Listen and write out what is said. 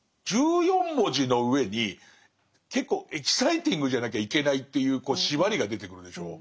１４文字の上に結構エキサイティングじゃなきゃいけないっていうこう縛りが出てくるでしょう。